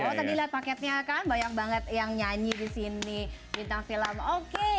oh tadi liat paketnya kan banyak banget yang nyanyi disini minta film oke